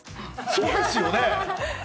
そうですよね。